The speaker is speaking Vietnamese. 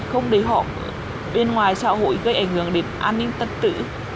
không để họ ở bên ngoài xã hội gây ảnh hưởng đến an ninh tật tử